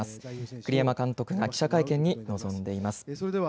栗山監督が記者会見に臨んでいます。